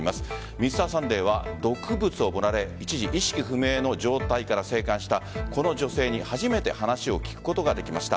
「Ｍｒ．サンデー」は毒物を盛られ一時意識不明の状態から生還したこの女性に初めて話を聞くことができました。